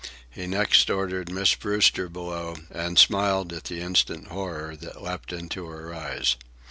He next ordered Miss Brewster below, and smiled at the instant horror that leapt into her eyes.